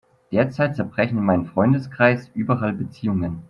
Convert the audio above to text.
Derzeit zerbrechen in meinem Freundeskreis überall Beziehungen.